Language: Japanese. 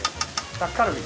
タッカルビ。